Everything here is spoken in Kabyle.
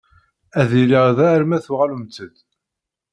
Ad iliɣ da arma tuɣalemt-d.